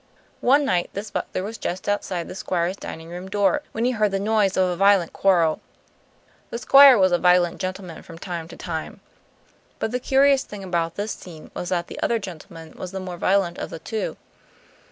One night this butler was just outside the Squire's dining room door, when he heard the noise of a violent quarrel. The Squire was a violent gentleman, from time to time; but the curious thing about this scene was that the other gentleman was the more violent of the two.